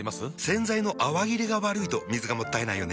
洗剤の泡切れが悪いと水がもったいないよね。